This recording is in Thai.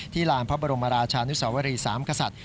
ลานพระบรมราชานุสวรีสามกษัตริย์